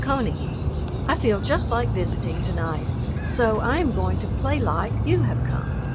CONEY, I feel just like visiting to night, so I am going to "play like" you have come.